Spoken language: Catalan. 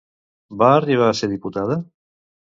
Va arribar a ser diputada?